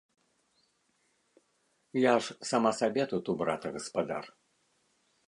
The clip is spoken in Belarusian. Я ж сама сабе тут у брата гаспадар.